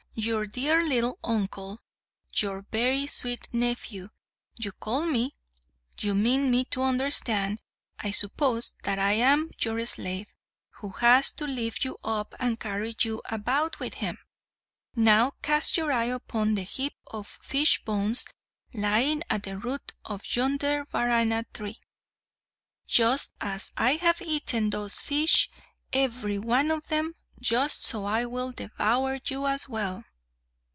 "Your dear little uncle, your very sweet nephew, you call me! You mean me to understand, I suppose, that I am your slave, who has to lift you up and carry you about with him! Now cast your eye upon the heap of fish bones lying at the root of yonder Varana tree. Just as I have eaten those fish, every one of them, just so I will devour you as well!"